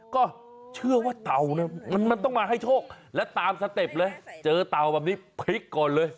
ก็เชื่อว่าเต่าเนี่ยมันต้องมาให้โชคและตามสเต็ปเลยเจอเต่าแบบนี้พลิกก่อนเลย